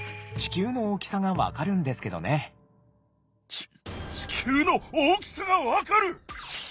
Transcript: ち地球の大きさが分かる！